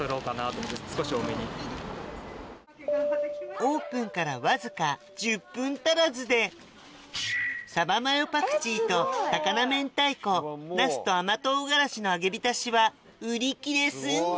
オープンからわずか１０分足らずで鯖マヨパクチーと高菜明太子ナスと甘唐辛子の揚げ浸しは売り切れ寸前！